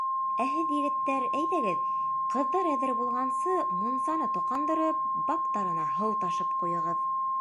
Ә һеҙ, егеттәр, әйҙәгеҙ, ҡыҙҙар әҙер булғансы, мунсаны тоҡандырып, бактарына һыу ташыш ҡуйығыҙ.